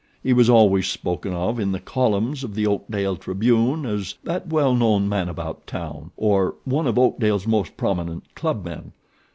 He was always spoken of in the columns of The Oakdale Tribune as 'that well known man about town,' or 'one of Oakdale's most prominent clubmen.'